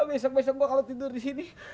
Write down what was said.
besok besok gue kalau tidur disini